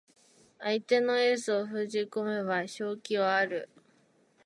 相手のエースを封じ込めれば勝機はある